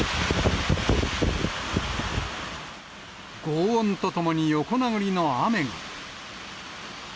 ごう音とともに横殴りの雨が。